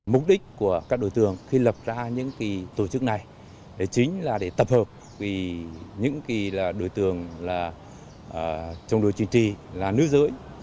mục đích của các đối tượng khi lập ra những tổ chức này chính là để tập hợp với những đối tượng trong đội chính trị là nữ giới